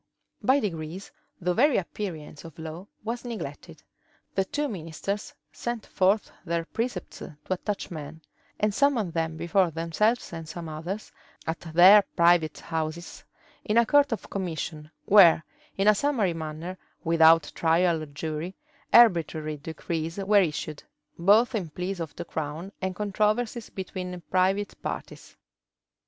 By degrees, the very appearance of law was neglected: the two ministers sent forth their precepts to attach men, and summon them before themselves and some others, at their private houses, in a court of commission, where, in a summary manner, without trial or jury, arbitrary decrees were issued, both in pleas of the crown and controversies between private parties.